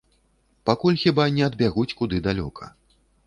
Пакуль хіба не адбягуць куды далёка.